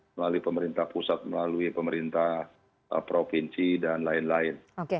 melalui pemerintah pusat melalui pemerintah provinsi dan lain lain